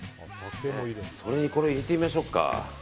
それにこれ入れてみましょうか。